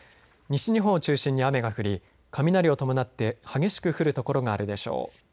西日本を中心に雨が降り雷を伴って激しく降る所があるでしょう。